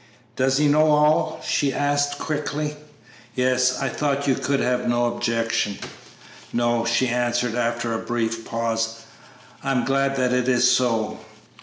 "Does he know all?" she asked, quickly. "Yes; I thought you could have no objection." "No," she answered, after a brief pause; "I am glad that it is so."